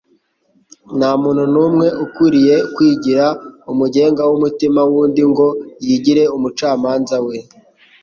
Nta muntu n'umwe ukwiriye kwigira umugenga w'umutima w'undi ngo yigire umucamanza we